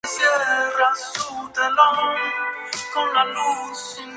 Destacan el maíz, sorgo, frijol, limón, mango, naranja y plátano.